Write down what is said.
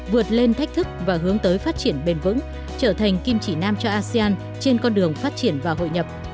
vượt lên thách thức và hướng tới phát triển bền vững trở thành kim chỉ nam cho asean trên con đường phát triển và hội nhập